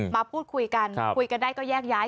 มาพูดคุยกันคุยกันได้ก็แยกย้าย